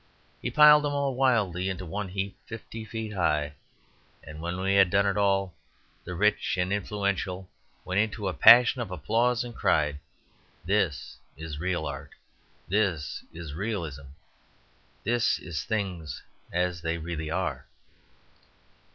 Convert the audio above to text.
He piled them all wildly into one heap fifty feet high; and when he had done it all the rich and influential went into a passion of applause and cried, "This is real art! This is Realism! This is things as they really are!"